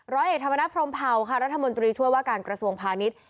ร้อยเอกธรรมนัฐพรมเผาค่ะรัฐมนตรีช่วยว่าการกระทรวงพาณิชย์